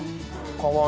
かわいい。